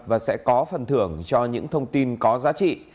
pháp luật sẽ có phần thưởng cho những thông tin có giá trị